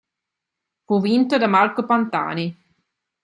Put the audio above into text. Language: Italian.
Fu vinto da Marco Pantani.